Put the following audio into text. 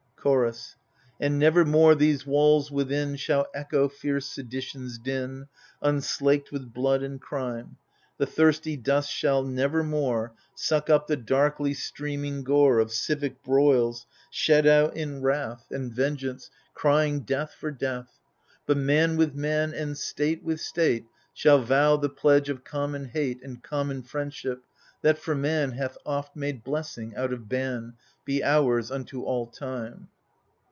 Chorus And nevermore these walls within Shall echo fierce sedition's din, Unslaked with blood and crime ; The thirsty dust shall nevermore Suck up the darkly streaming gore Of civic broils, shed out in wrath i8o THE FURIES And vengeance, crying death for death I But man with man and state with state Shall vow The pledge of common hate And common friendships that for man Hath oft made blessing out of ban, Be ours unto all time.